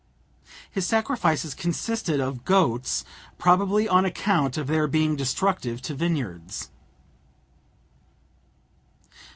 His sacrifices consisted of goats, probably on account of their being destructive to vineyards.